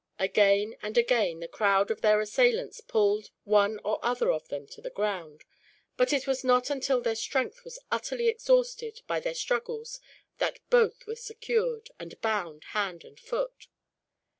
Again and again, the crowd of their assailants pulled one or other of them to the ground; but it was not until their strength was utterly exhausted, by their struggles, that both were secured, and bound hand and foot.